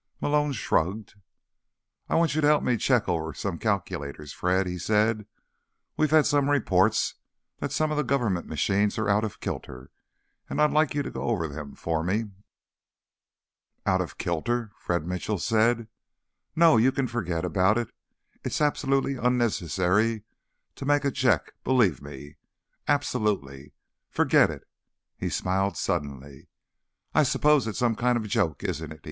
Malone shrugged. "I want you to help me check over some calculators, Fred," he said. "We've had some reports that some of the government machines are out of kilter, and I'd like you to go over them for me." "Out of kilter?" Fred Mitchell said. "No, you can forget about it. It's absolutely unnecessary to make a check, believe me. Absolutely. Forget it." He smiled suddenly. "I suppose it's some kind of a joke, isn't it?"